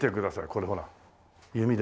これほら弓ですよ。